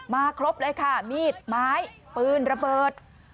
ครบเลยค่ะมีดไม้ปืนระเบิด